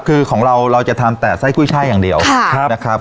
คือของเราเราจะทำแต่ไส้กุ้ยช่ายอย่างเดียวนะครับ